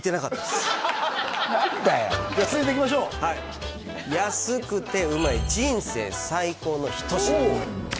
何だよじゃあ続いていきましょうはい安くてうまい人生最高の一品